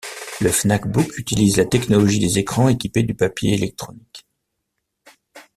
Le FnacBook utilise la technologie des écrans équipés du papier électronique.